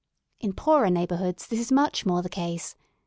In poorer neighbourhoods this is much more the case.